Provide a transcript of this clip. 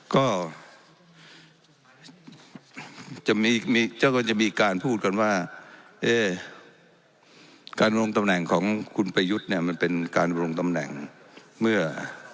ก็จะมีเจ้าก็จะมีการพูดกันว่าเอ๊การลงตำแหน่งของคุณประยุทธ์เนี่ยมันเป็นการลงตำแหน่งเมื่อ